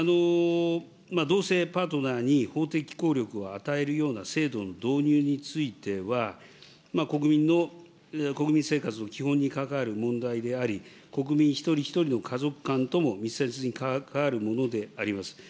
同性パートナーに法的効力を与えるような制度の導入については、国民の、国民生活の基本に関わる問題であり、国民一人一人の家族観とも密接に関わるものであります。